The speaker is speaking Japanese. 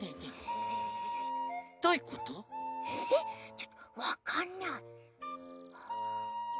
ちょっとわかんない。